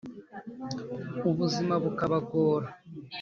ubuzima bukabagora